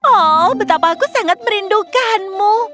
oh betapa aku sangat merindukanmu